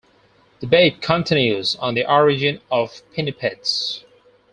Debate continues on the origin of pinnipeds.